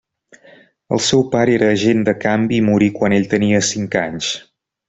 El seu pare era agent de canvi i morí quan ell tenia cinc anys.